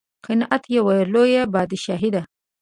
قناعت یوه لویه بادشاهي ده.